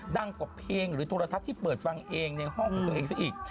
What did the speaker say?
ดังกว่าเพลงหรือโทรทัศน์ที่เปิดฟังเองในห้องของตัวเองซะอีก